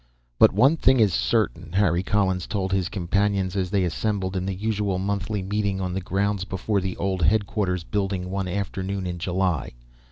"But one thing is certain," Harry Collins told his companions as they assembled in the usual monthly meeting on the grounds before the old headquarters building one afternoon in July.